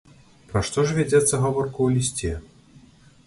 Пра што ж вядзецца гаворка ў лісце?